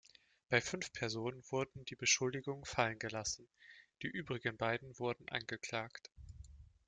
Bei fünf Personen wurden die Beschuldigungen fallen gelassen, die übrigen beiden wurden angeklagt.